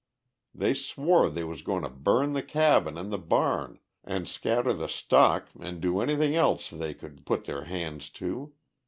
They swore they was going to burn the cabin an' the barn an' scatter the stock an' do anything else they could put their hands to.